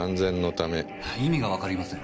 意味がわかりません。